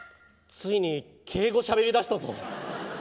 ついに敬語しゃべりだしたぞ。